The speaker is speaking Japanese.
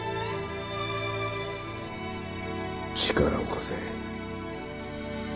力を貸せ。